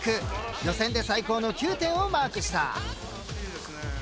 予選で最高の９点をマークした。